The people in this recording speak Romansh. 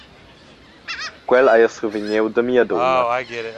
Quel hai jeu survegniu da mia dunna.